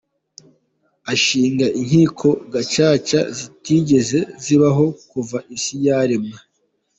Ashinga inkiko gacaca zitigeze zibaho kuva isi yaremwa.